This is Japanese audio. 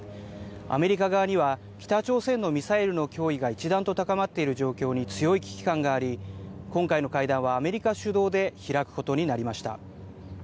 アメリカ側には、北朝鮮のミサイルの脅威が一段と高まっている状況に強い危機感があり、今回の会談はアメリカ主導で開くことになりました。